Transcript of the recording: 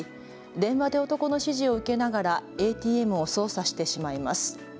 電話で男の指示を受けながらＡＴＭを操作してしまいます。